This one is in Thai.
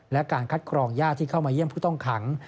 และการคัดกรองญาติที่เข้ามาเยี่ยมผู้ต้องขัง